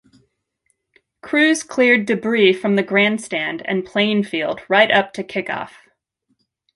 Crews cleared debris from the grandstand and playing field right up to kickoff.